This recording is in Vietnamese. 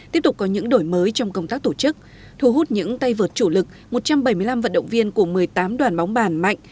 tiếp tục có những đổi mới trong công tác tổ chức thu hút những tay vượt chủ lực một trăm bảy mươi năm vận động viên của một mươi tám đoàn bóng bàn mạnh